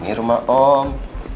nah ini rumah om